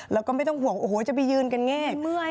แล้วก็ไม่ต้องห่วงโอ้โหจะไปยืนกันง่าย